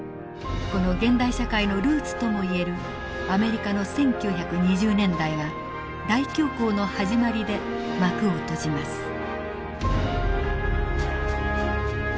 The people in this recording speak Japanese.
この現代社会のルーツともいえるアメリカの１９２０年代は大恐慌の始まりで幕を閉じます。